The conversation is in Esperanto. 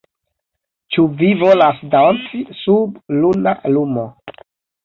Ĉu vi volas danci sub luna lumo